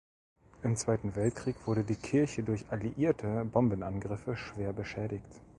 Im Zweiten Weltkrieg wurde die Kirche durch alliierte Bombenangriffe schwer beschädigt.